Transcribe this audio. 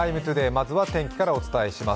まずは天気からお伝えします。